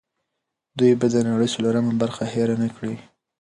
دوی به د نړۍ څلورمه برخه هېر نه کړي.